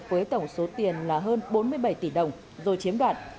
với tổng số tiền là hơn bốn mươi bảy tỷ đồng rồi chiếm đoạt